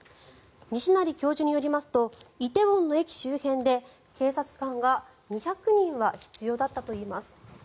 西成教授によりますと梨泰院の駅周辺で警察官が２００人は必要だったといいます。